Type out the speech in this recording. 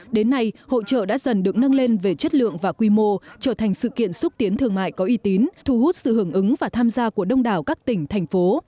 đến nay hội trợ đã dần được nâng lên về chất lượng và quy mô trở thành sự kiện xúc tiến thương mại có uy tín thu hút sự hưởng ứng và tham gia của đông đảo các tỉnh thành phố